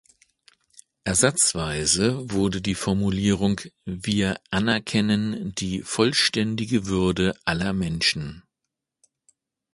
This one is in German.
Ersatzweise wurde die Formulierung „"Wir anerkennen die vollständige Würde aller Menschen.